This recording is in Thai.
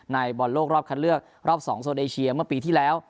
บอลโลกรอบคัดเลือกรอบ๒โซนเอเชียเมื่อปีที่แล้ว